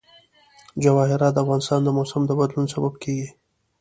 جواهرات د افغانستان د موسم د بدلون سبب کېږي.